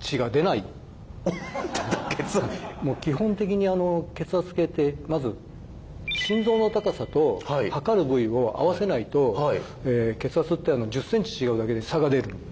基本的に血圧計ってまず心臓の高さと測る部位を合わせないと血圧って１０センチ違うだけで差が出るんですね。